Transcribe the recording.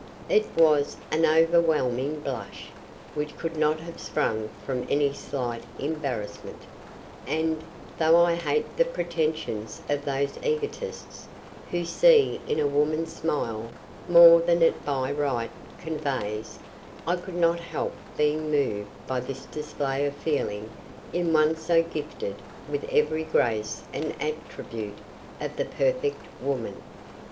It was an overwhelming blush which could not have sprung from any slight embarrassment, and, though I hate the pretensions of those egotists who see in a woman's smile more than it by right conveys, I could not help being moved by this display of feeling in one so gifted with every grace and attribute of the perfect woman.